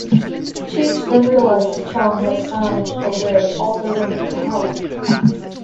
Cheech then realizes Chong has signed away all their money to Howie.